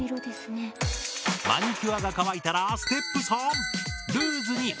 マニキュアが乾いたらステップ３。